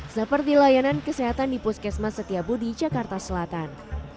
seperti layanan kesehatan di puskesmas setiabudi jakarta selatan